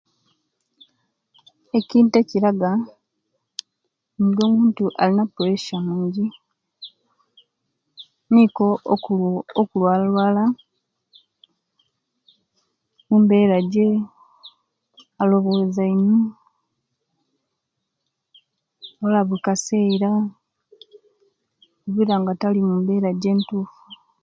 Ekintu ekiraga nga omuntu alina puresya mungi, nikwo okulwalalwala ne embera je aloboza ino buli kasera abulira nga tali mumbera je entufu.